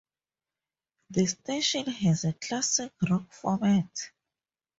The station has a classic rock format.